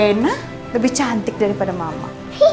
enak lebih cantik daripada mama